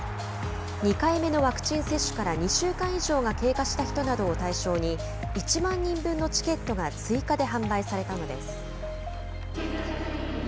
２回目のワクチン接種から２週間以上が経過した人などを対象に１万人分のチケットが追加で販売されたのです。